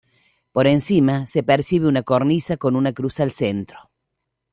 Por encima, se percibe una cornisa con una cruz al centro.